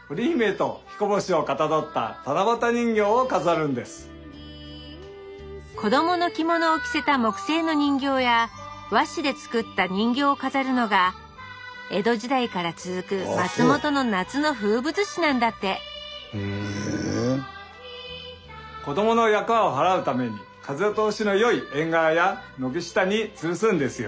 松本では子どもの着物を着せた木製の人形や和紙で作った人形を飾るのが江戸時代から続く松本の夏の風物詩なんだって子どもの厄を払うために風通しのよい縁側や軒下につるすんですよ。